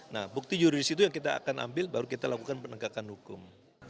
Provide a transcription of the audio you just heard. nah bukti juridis itu yang kita akan ambil baru kita lakukan penegakan hukum